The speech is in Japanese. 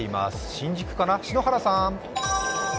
新宿かな、篠原さん。